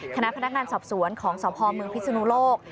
คณะพนักงานสอบสวนของสพเมืองพิศนุโลก